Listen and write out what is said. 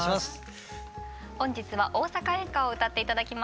本日は「大阪演歌」を歌って頂きます。